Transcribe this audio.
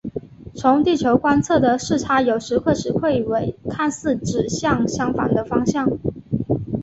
从地球观测的视差有时会使彗尾看似指向相反的方向。